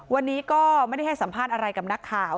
วันนี้ก็ไม่ได้ให้สัมภาษณ์อะไรกับนักข่าว